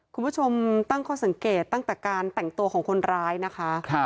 คุณผู้ชมตั้งข้อสังเกตตั้งแต่การแต่งตัวของคนร้ายนะคะ